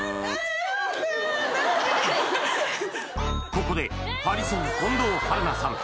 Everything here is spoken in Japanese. ここでハリセン近藤春菜さん